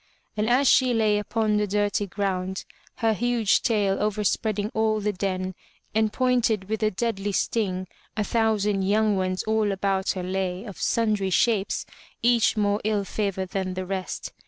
And as she lay upon the dirty ground, her huge tail over spreading all the den and pointed with a deadly sting, a thou sand young ones all about her lay, of simdry shapes, each more 14 FROM THE TOWER WINDOW ill favored than the rest.